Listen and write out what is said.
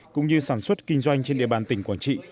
cũng như sản xuất kinh doanh trên địa bàn tỉnh quảng trị